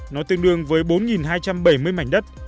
nó tương đương với bốn hai trăm bảy mươi mảnh đất